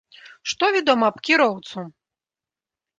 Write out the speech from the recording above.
Што вядома аб кіроўцу?